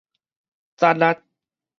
節力